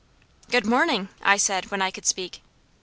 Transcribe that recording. "Good morning!" I said when I could speak.